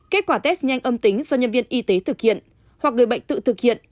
kết quả test nhanh âm tính do nhân viên y tế thực hiện hoặc người bệnh tự thực hiện